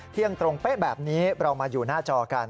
เที่ยงตรงเป๊ะแบบนี้เรามาอยู่หน้าจอกัน